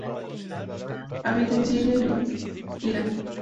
Habita en Siria y en Irán.